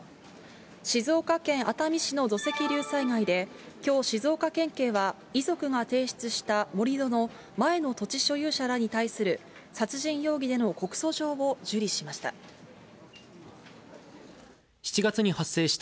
静岡県熱海市の土石流災害で、きょう、静岡県警は、遺族が提出した盛り土の前の土地所有者らに対する殺人容疑での告訴状を受理しました。